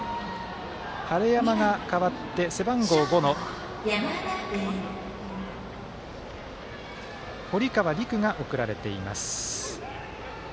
晴山が、代わって背番号５の堀川琉空が送られています。